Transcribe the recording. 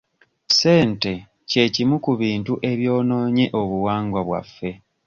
Ssente kye kimu ku bintu ebyonoonye obuwangwa bwaffe.